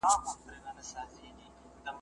کېدای سي تړل ستونزي ولري.